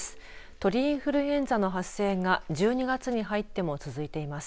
鳥インフルエンザの発生が１２月に入っても続いています。